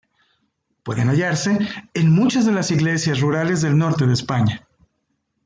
Pueden hallarse en muchas de las iglesias rurales del norte de España.